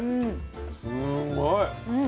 すんごい。